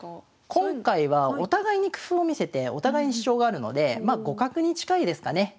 今回はお互いに工夫を見せてお互いに主張があるのでまあ互角に近いですかね。